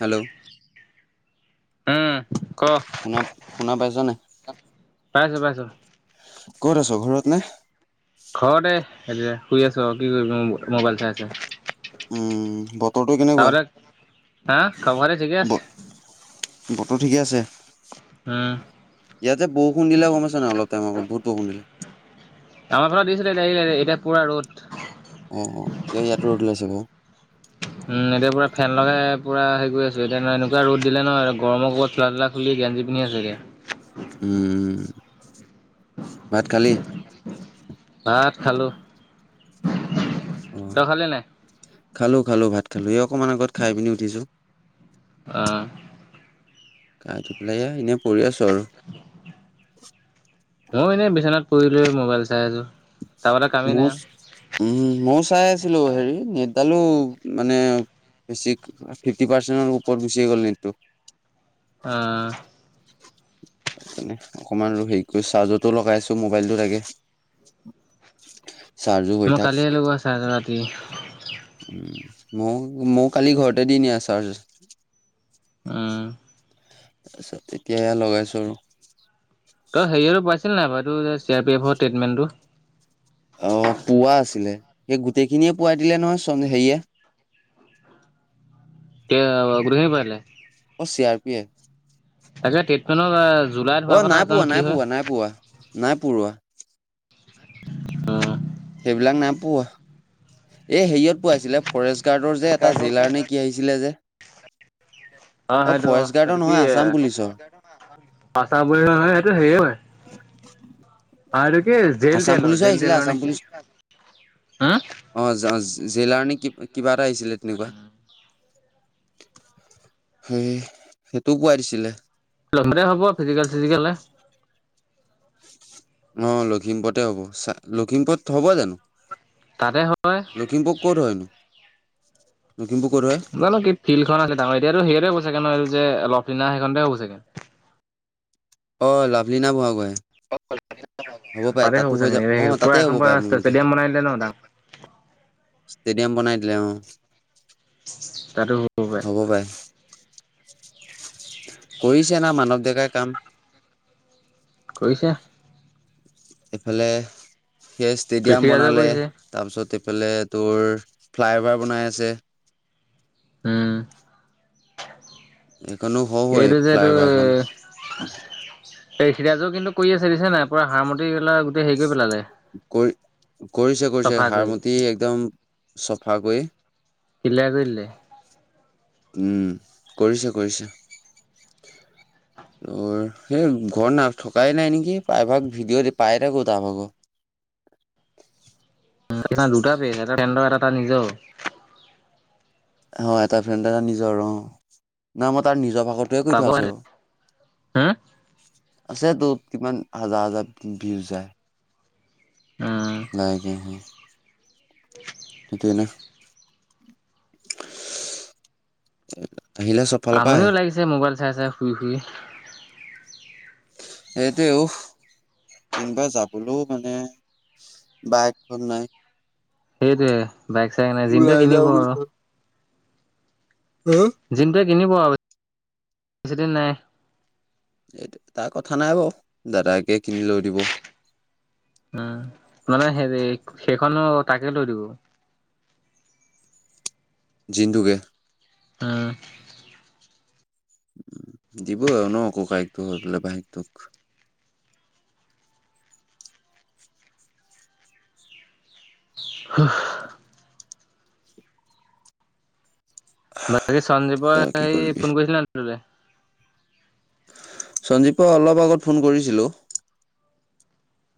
Hello উম ক শুনা শুনা পাইছা নাই? পাইছো পাইছো ক'ত আছ ঘৰত নে'? ঘৰতে এতিয়া শুই আছো, আৰু কি কৰিবি মোৰ মোবাইল চাই চাই। উম বতৰটো কেনেকুৱা? তহঁতে, হা? খবৰ-খাতি ঠিকে ব আছে বতৰ ঠিকে আছে। হুম। ইয়াতে বৰষুণ দিলে [unintelligible] অলপ টাইম আগত বহুত বৰষুণ দিলে। আমাৰ ফালে দিছিলে এতিয়া এই্ এই্ এতিয়া পুৰা ৰ'দ। অ', অ', এই ইয়াতো ৰ'দ ওলাইছে। যাব। উম, এতিয়া পুৰা ফেন লগাই পুৰা হেৰি কৰি আছো এতিয়া এনেকুৱা ৰ'দ দিলে ন', গৰমৰ কোবত চোলা-তোলা খুলি গেঞ্জী পিন্ধি আছো এতিয়া। উম, উম। ভাত খালি? ভাত খালো। অ', তই খালি নাই খালো খালো ভাত খালো, এই অকমান আগত খাই পিনি উঠিছো। অ'। গা ধুই পেলাই এয়া এনে পৰি আছোঁ। [unintelligible] মই এনে বিচনাত পৰি। মবাইল চাই আছোঁ। মচ উম, ময়ো চাই আছিলোঁ হেৰি নেট। তালো মানে বেছিক ফিফটি পাৰ্চেণ্টৰ ওপৰত গুচি গ'ল নেটটো। আহ। সেইকাৰণে অকমান আৰু হেৰি কৰি চাৰ্জৰটো লগাই আছো মোবাইলটো লাগে। মই কালিয়ে লগোৱা চাৰ্জ ৰাতি। ময় ময়ো কালি ঘৰতে দি নিয়া চাৰ্জ। আহ। তাৰপিছত তেতিয়া এয়া লগাইছোঁ আৰু। তোৰ যে চি আৰ পি এফৰ ট্ৰিটমেণ্টটো। অ', পুৱা আছিলে, সেই গোটেইখিনিয়ে পোৱাই দিলে নহয় চন হেৰিয়ে। কে গোটেইখিনি ভৰাই দিলে। অ', চি আৰ পি এফ। আচ্ছা ট্ৰিটমেনৰ কাৰনে। অ', নাই পোৱা, নাই পোৱা, নাই পোৱা, নাই পঢ়োৱা। অ'। সিবিলাক নাইপোৱা এ হেৰীয়ত পোৱা আছিলে ফৰেষ্ট। কাৰ্টৰ যে এটা জেইলাৰ নে কি আহিছিলে যে। অ', সেইটো অ', ফৰেষ্ট গাৰ্ডৰ সেইটো কি নহয় এ আছাম পুলিচৰ। [inaudible] আচাৰ [unintelligible] সেইটো হেৰিয়াৰ হয়, অ', এইটো কি আছাম জেল-তেলৰ পুলিচো আহিছিলে জেল-তেলৰ নে আছাম কি পুলিচ হ। অ', জেলাৰ নে কি কিবা এটা আহিছিলে তেনেকুৱা। সেই সেইটো পোৱাই দিছিলে। [unintelligible] হব ফিজিকেল চিজিকেলে। অ', লখিমপুৰতে হ'ব চাগ লখিমপুৰত হ'ব জানো? তাতে হয়। লখিমপুৰ ক'ত হয়নো [inaudible] ক'ত হয়? জানো, কি ফিল্ডখন আছে ডাঙৰ এতিয়াতো হেৰিয়তে হ'ব চাগে ন' এইটো। যে লফ'লীনা সেইখনতে হ'ব চাগে। অ' লাভলীনা বুঢ়াগোহাই? তাতে হব হৈ চাগে, যাব অ [unintelligible] তাতে পুৰা এখন হ'ব পুৰা পাৰে মোৰ মতে ষ্টে-ষ্টেডিয়াম বনাই দিলে ন' ডাঙৰ। ষ্টেডিয়াম বনাই দিলে। অ'! তা'তো হব পাৰে। কৰিছে না মানৱ ডেকাই কাম। কৰিছে এইফালে সিয়ে ষ্টেডিয়াম কৃষিৰাজে বনালে, কৰিছে তাৰ পিছত এইফালে তোৰ ফ্লাই অভাৰ বনাই আছে। উম। এইখনো হ‌ও হ‌ও, এই এইটো যে ফ্লাই অভাৰখন। ঋষিৰাজো কিন্তু কৰি আছে, দেখিছানে নাই? পুৰা হাৰমতি পেলাই গোটেই হেৰি কৰি পেলালে কৰি কৰিছে কৰিছে চাফা কৰি। হাৰমুঠি একদম চফা কৰি। ক্লিয়াৰ কৰি দিলে। উম কৰিছে কৰিছে, সেই ঘৰত না থকাই নাই নেকি প্ৰায়ভাগ ভিডিঅ' দি পাই থাকো তাৰভাগ। সেই দুটা পেজ এটা ফ্ৰেণ্ড, এটা তাৰ নিজৰ। অ এটা ফ্ৰেণ্ড এটা নিজৰ অ, না মই তাৰ নিজৰ ভা [unintelligible] হম আছেটো কিমান হাজাৰ হাজাৰ ভিউজ উম যায়। লাইগে হে। [unintelligible] [inaudible] ফালৰ পৰা আহে আমনিও লাগিছে মোবাইল চাই চাই শুই শুই। সেইটোৱে উফ কিনবা যাবলৈও মানে বাইকখন নাই। সেইটোৱে। বাইক চাইক নাই যিনটো ওলাই যাওঁ কিনিব বুলি ক আৰু। [unintelligible] কিনব আৰু বেছি দিন নাই। এইটো তাৰ কথা নাই বাৰু দাদাকে কিনি লৈ দিব। উ মানে হেৰি সেইখনো তাকে লৈ দিব। জিন্টোকে। অঁ। দিব আৰু ন ককাইয়েটো হৈ পেলাই ভাইয়েকটোক। হ [inaudible] [inaudible] বাকী সঞ্জীৱৰ তই কি হে কৰিবি ফোন কৰিছিল ন তোলে? সঞ্জীৱক অলপ আগত ফোন কৰিছিলোঁ।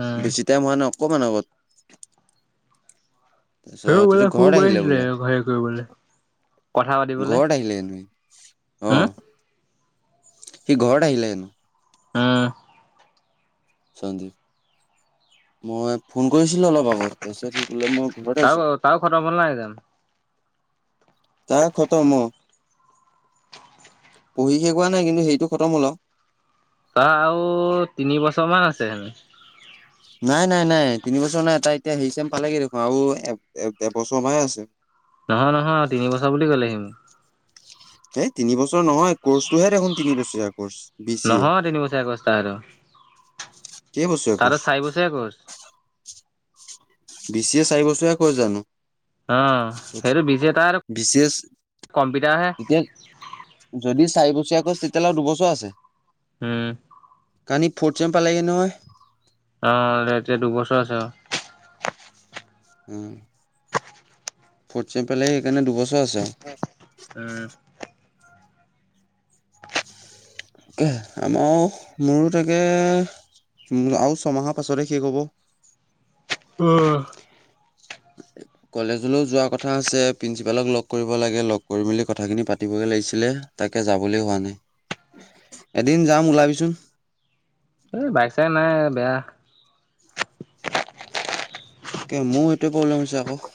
উম বেছি টাইম হোৱা ন অকমান আগত। সেই তাৰপিছত এইটো বোলে ফোন ঘৰত আহিলে মাৰিছিলে, বোলে হেই কৰিবলে কথা পাতিবলে। ঘৰত আহিলে হেনো সি অ হম? সি ঘৰত আহিলে হেনো। উম সঞ্জীৱ মই ফোন কৰিছিলো অলপ আগত, তাৰপিছত বোলে মই ঘৰত আছো [unintelligible] তাৰ খতম অ। পঢ়ি শেষ হোৱা নাই কিন্তু সেইটো খতম হল আও। তাৰ আৰু তিনি বছৰ মান আছে। আছে হেনো। নাই নাই নাই তিনি বছৰ নাই তাই এতিয়া হেৰি চেম পালেগে দেখোন আৰু এবছৰ মান আছে। নহয় নহয় আৰু তিনিবছৰ বুলি ক'লে সি মোক। এ তিনি বছৰ নহয় কৰ্চটোহে দেখোন তিন বছৰীয়া কৰ্চ বি চি এ। নহয় তিনি বছৰীয়া কৰ্চ তাৰ সেইটো। কেই বছৰীয়া তাৰ টো কৰ্চ? চাৰি বছৰীয়া কৰ্চ। বি চি এ চাৰি বছৰীয়া কোৰ্চ জানো? অ সেইটো বিজি এটা আৰু বি চি এ কম্পিউটাৰ হে। তেতিয়ালে আৰু দুবছৰ আছে। উম। কানী ফৰ্থছেম পালেগে নহয়। অ এতিয়া দুবছৰ আছে আও [unintelligible] উ ফৰ্থছেম পালেই সেইকাৰণে দুবছৰ আছে। উম। তে আমাৰো মোৰো তাকে, আৰু ছমাহৰ পাছতে শেষ হ'ব। অ। কলেজলৈ যোৱা কথা আছে, প্ৰিন্সিপালক লগ কৰিব লাগে। লগ কৰি মেলি কথাখিনি পাতিবগৈ লাগিছিলে, তাকে যাবলৈ হোৱা নাই। এদিন যাম ওলাবিচোন। এই বাইক চাই। নাই বেয়া। তে মোৰ সেইটোৱে প্ৰব্লেম হৈছে আক।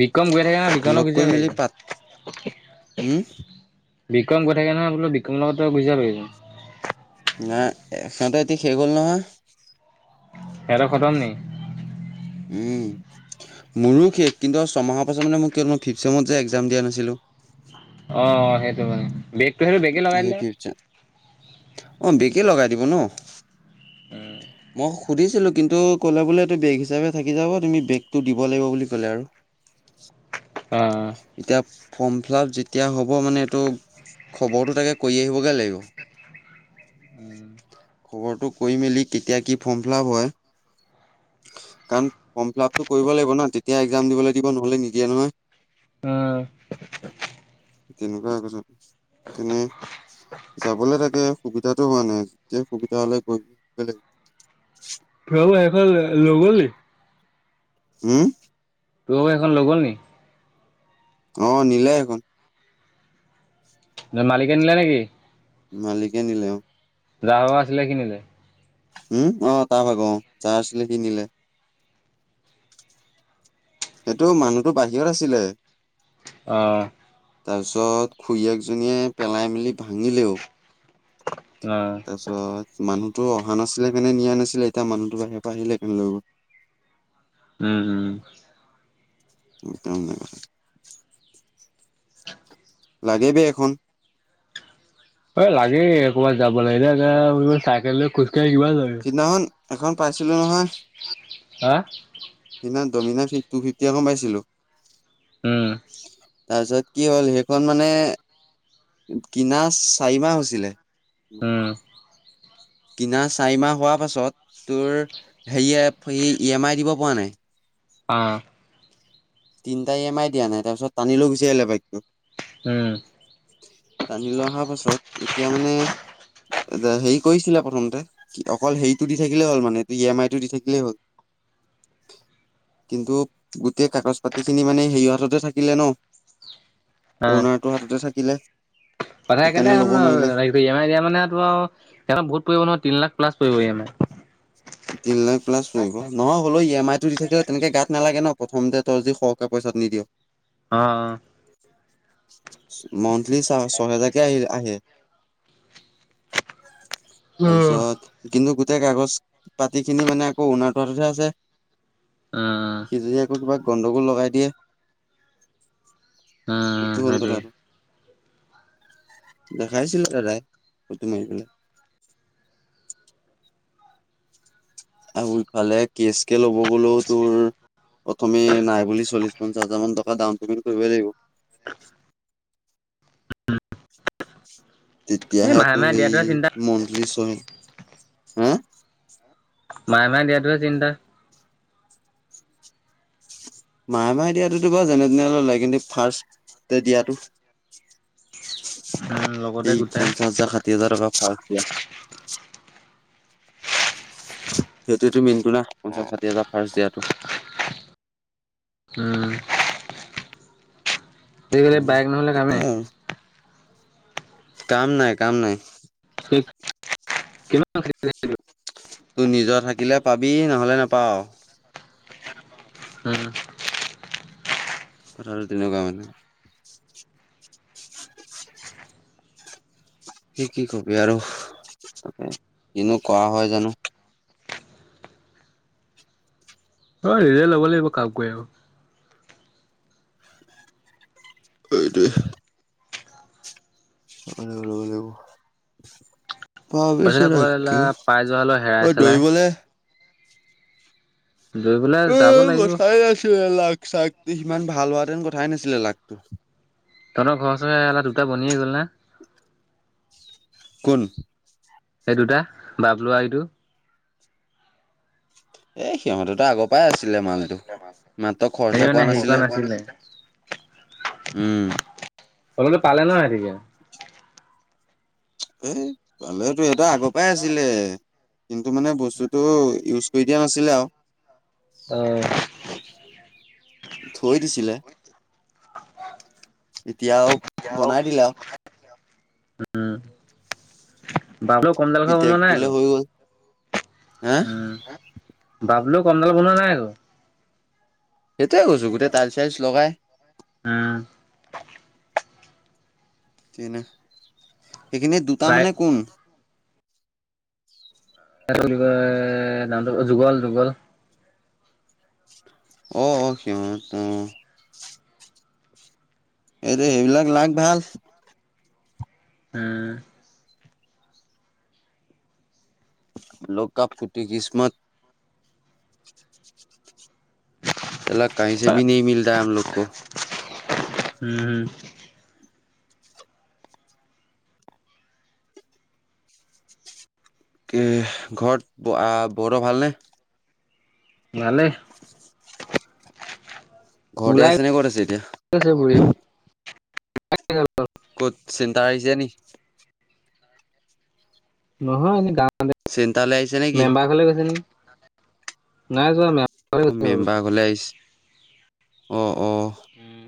বিক্ৰম গৈ থাকে ন বিক্ৰমক লৈ মেলি পাত উম [unintelligible] বিক্ৰম গৈ থাকে নহয় বোলো বিক্ৰমৰ লগত তই গুচি যাবি। নাই এখনতে এতি শেষ হ'ল নহয়। সিঁহতৰ খতম নি? উ মোৰো শেষ কিন্তু ছমাহৰ পাছত মানে মো কি হল ফিফট ছেমত যে এক্সাম দিয়া নাছিলো। অ সেইটো মানে বে সেই ফিফট ছেম অঁ বেক কেই লগাই দিব ন। মই সুধিছিলো কিন্তু ক'লে বোলে এইটো বেক হিচাপে থাকি যাব তুমি বেকটো দিব লাগিব বুলি ক'লে আৰু। অঁহ। এতিয়া ফৰ্ম ফিলাপ যেতিয়া হ'ব মানে এইটো খবৰটো তাকে কৰি আহিবগে লাগিব। খবৰটো কৰি মেলি কেতিয়া কি ফৰ্ম ফিলপ হয় কাৰণ ফৰ্ম ফিলাপটো কৰিব লাগিব ন, তেতিয়া এক্সাম দিবলৈ দিব নহলে নিদিয়ে নহয়। তেনেকুৱা হৈ গৈছে, সেইকাৰণে যাবলে তাকে সুবিধাটো হোৱা নাই যেতিয়া সুবিধা হলে গৈ পেলাই ফিলাপ শেষ হল নগলি? হম? তোৰ এখন লৈ গল নি? অ নিলে এখন। নে মালিকে নিলে নেকি? মালিকে নিলে অঁ। যাৰ আছিলে সি নিলে? উম অ তাৰ ভাগ অ, যাৰ আছিলে সি নিলে। সেইটো মানুহতো বাহিৰত আছিলে। অহ। তাৰ পিছত খুৰীয়েকজনীয়ে পেলাই মেলি ভাঙিলেও। অ', তাৰছত মানুহ। তো' অহা নাছিলে কেনে নিয়া নাছিলে, এতিয়া মানুহটো বাহিৰ পৰা আহিলে সেকেনে লৈ গল। উম উম। [unintelligible] লাগে বে এখন। অ' লাগে, এ ক'বাত যাব লাগিলে এ চাইকেল লৈ খোজ সিদিনাখন এখন পাইছিলো নহয় হা? সিদিনা ডমিনা টু ফি'ফটি এখন পাইছিলো। উম। তাৰপিছত কি হ'ল সেইখন মানে কিনা চাৰিমাহ হৈছিলে। উম, [unintelligible] কিনা চাৰিমাহ হোৱাৰ পাছত তোৰ হেৰি এ ই এম আই দিব পৰা নাই। অ'। তিনটা ই এম আই দিয়া নাই, তাৰপিছত টানি লৈ গুচি আহিলে বাইকটো। উম, টানি লৈ অহাৰ পাছত এতিয়া মানে হেৰি কৰিছিলে প্ৰথমতে অ'কল হেৰিটো দি থাকিলেই হ'ল মানে ই এম আইটো দি থাকিলেই হ'ল। কিন্তু গোটেই কাগজ পা তি খিনি মানে সেৰিয় হাততে থাকিলে ন। অ অ'নাৰটোৰ হাততে থাকিলে কথাই সেইকাৰণে একেটাই হ'ল ল'ব ন নোৱাৰিলে লাগিলে ই এম আই দিয়া মানে ত সেইখন বহুত নহয় তিন লাখ ক্লাছ প্লাছ এমি। তিন লাখ প্লাছ নহয় হলেও এম আই টো দি থাকিলে তেনেকে গাত নালাগে ন প্ৰথমতে ত যি টকা পইচাত নিদিয়। অ', অ'। মন ইি চ চহেজাকে আহি আহে। [unintelligible] উম, তাৰপিছত কিন্তু গোটেই কাগজ পাতি খিনি মানে আকৌ উণ তহে আছে। সি য আকৌ কিবা গন্ধগোল লগাই দিয়ে। উম সেইটোৱে। দেখাইছিলো দাদাই ফুত মাৰি পেলাই। আৰু বোৰফালে কেচ কে ল'ব ক'লো তোৰ প্ৰথমে নাই বুলি চল্লিশ পঞ্চাশ হাজাৰ মান টকা ডাউন পেমেণ্ট। কৰিবই লাগিব। এই তেতিয়াহে মাহে তো মাহে সেই দিয়াটোহে চিন্তা। মলি চহ হম। মাহে মাহে দিয়াটো হে চিন্তা। মাহে মাহে দিয়াতোতো বাৰু যেনে তেনে ললে কিন্তু ফাৰ্ষ্টে দিয়াতো। উম, লগতে সেই গোটাই। পঞ্চাশ হাজাৰ ষাঠি হাজাৰ টকা [unintelligible] সিহতেতো মিন্টু না পঞ্চাছ ষাঠি হাজাৰ ফাৰ্ষ্ট দিয়াটো। উম। আজি কালি উম বাইক নহ'লে কাম এ নাই। আৰু কাম নাই কাম নাই। [unintelligible] কিমান তোৰ নিজৰ থাকিলে পাবি নহলে না পাওঁ। হম। কথাটো তেনেকুৱা মানে। কি কি কবি আৰু তাকে কিনো কৰা হয় জানো। অহ ইনে ল'ব লাগিব কাম কৰি আৰু। এইটোৱে। অ লব লাগিব। পাছত ভাবিছো আকৌ এলা তাকে পাই যোৱা হলেও অ হেৰাই চেলাই দৌৰিবলে। লৈ পেলাই যাব উম লাগিব কচাই আছিলে লাক চাক। বিষ সিমান ভাল হোৱাহেতেন কথাই নাছিলে লাকটো। তহঁতৰ ঘৰৰ ওচৰৰে এলা দুটা বনিয়ে গল না। কোন? এই দুটা বাবলু আও ইটো। এ সিহঁত দুটা আগৰ পৰাই আছে। ছিলে মালটো মাত্ৰ হেৰি খৰচা মানে কোৱা হেৰি কৰা নাছিলে। উম। হলেও টো পালে নহ ৰাতিকে। এই। পালে তো এটা আগৰ পৰাই আছিলে। কিন্তু মানে বস্তুটো ইউজ কৰি দিয়া নাছিলে আও। অহ। থৈ দিছিলে এতিয়াও বনাই দিলা। উম। বাবলুক কমডাল কথা শুনোৱা নাই পিতেকটোলে আকৌ হৈ গ'ল হা উম। বাবলুৱেও কমডাল বনোৱা নাই আকৌ। সেইটোৱে কৈছো গোটেই টাইলচ চাইলচ লগাই। উম। সেইটোৱে ন সেইখিনিৰ দুটা প্ৰায় মানে কোন? সেটো বুলি কয় নামটো যুগল যুগল! অ অ অ সি অ এইটো সেইবিলাক লাক ভাল। উম। লোক আপ ফুটি কীষ্মত। এইবিলাক কাহিছে বি নেই মিলতা হে আমলোক কৌ উম হম। এ ঘৰত বৌহতৰ ভালনে? ভালেই। ঘৰতে ওলাই আছে নে কত আছে এতিয়া? গৈছে বুঢ়ী [unintelligible] ক'ত চিন্তা আহিছে নি? নহয় এনেই গা চেণ্টাৰলৈ আহিছে নেকি মেম্বাৰঘলে গৈছে নেকি? নাই যোৱা মে অ মেম্বাৰ ঘলে আহিছে। অ। অ উম